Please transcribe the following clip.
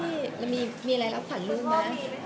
ไม่มีมีอะไรรับขันรุ่งนะ